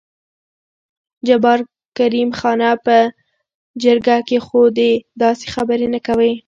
جبار: کريم خانه په جرګه کې خو دې داسې خبرې نه کوې.